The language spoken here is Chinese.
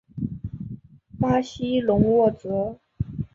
巴西隆沃泽。